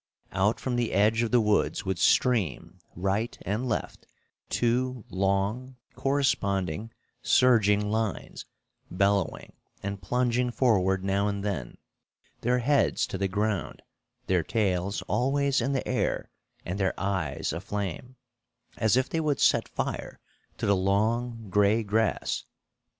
Out from the edge of the woods would stream, right and left, two long, corresponding, surging lines, bellowing and plunging forward now and then, their heads to the ground, their tails always in the air and their eyes aflame, as if they would set fire to the long gray grass.